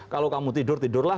kalau kamu tidur tidur lah